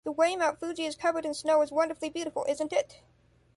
The way Mount Fuji is covered in snow is wonderfully beautiful, isn’t it?